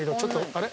あれ？